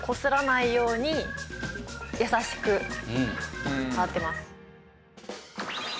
優しく洗ってます。